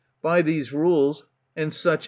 By these rul«ft And such a.